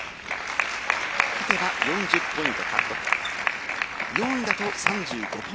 勝てば４０ポイント獲得。